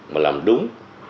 mà làm đúng